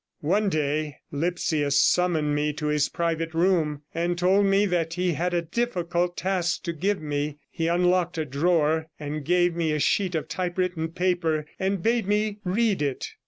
One day Lipsius summoned me to his private room, and told me that he had a difficult task to give me. He unlocked a drawer and gave me a sheet of type written paper, and bade me read it.